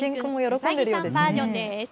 うさぎさんバージョンです。